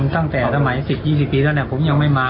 ตั้งแต่สมัย๑๐๒๐ปีี่ตอนนี้ผมยังไม่มา